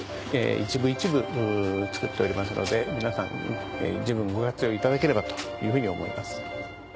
一部一部作っておりますので皆さん十分ご活用いただければというふうに思います。